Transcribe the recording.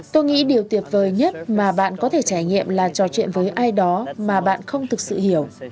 tôi nghĩ điều tuyệt vời nhất mà bạn có thể trải nghiệm là trò chuyện với ai đó mà bạn không thực sự hiểu